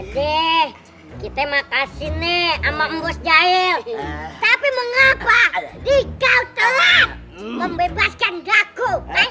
deh kita makasih nih ama bos jahil tapi mengapa dikau telah membebaskan aku